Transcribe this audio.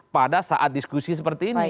pada saat diskusi seperti ini